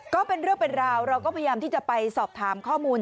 ก็เป็นเรื่องเป็นราวเราก็พยายามที่จะไปสอบถามข้อมูล